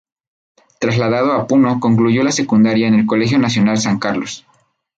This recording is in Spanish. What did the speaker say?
Trasladado a Puno, concluyó la secundaria en el Colegio Nacional San Carlos.